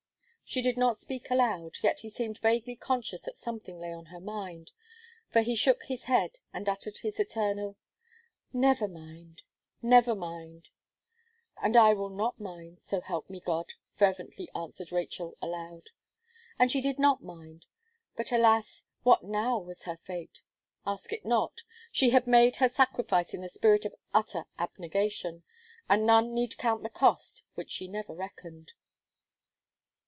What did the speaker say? She did not speak aloud, yet he seemed vaguely conscious that something lay on her mind; for he shook his head, and uttered his eternal "Never mind never mind!" "And I will not mind so help me God!" fervently answered Rachel aloud. And she did not mind; but, alas! what now was her fate? Ask it not. She had made her sacrifice in the spirit of utter abnegation, and none need count the cost which she never reckoned.